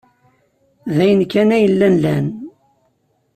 D ayen kan ay llan lan.